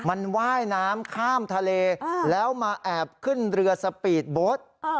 มันว่ายน้ำข้ามทะเลแล้วมาแอบขึ้นเรือสปีดโบ๊ท